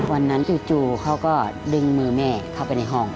จู่เขาก็ดึงมือแม่เข้าไปในห้อง